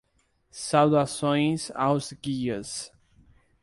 Saudações aos guias